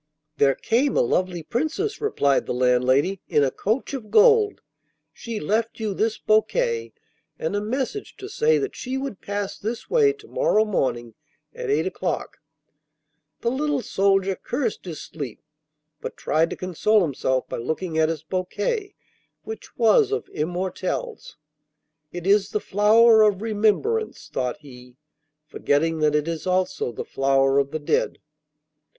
'There came a lovely princess,' replied the landlady, 'in a coach of gold. She left you this bouquet, and a message to say that she would pass this way to morrow morning at eight o'clock.' The little soldier cursed his sleep, but tried to console himself by looking at his bouquet, which was of immortelles. 'It is the flower of remembrance,' thought he, forgetting that it is also the flower of the dead.